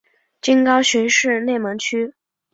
今高雄市内门区。